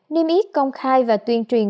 niêm yết công khai và tuyên truyền